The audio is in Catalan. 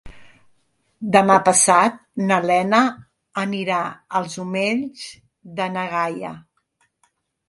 Demà passat na Lena anirà als Omells de na Gaia.